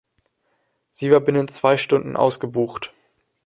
Sie war binnen zwei Stunden ausgebucht.